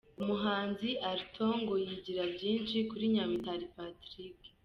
Umuhanzi Alto ngo yigira byinshi kuri Nyamitari Patrick.